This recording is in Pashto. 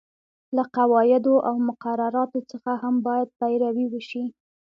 له قواعدو او مقرراتو څخه هم باید پیروي وشي.